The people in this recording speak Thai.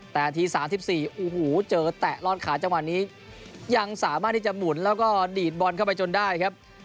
แต่นาที๓๔โอ้โหเจอแตะลอดขาจังหวะนี้ยังสามารถที่จะหมุนแล้วก็ดีดบอลเข้าไปจนได้ครับ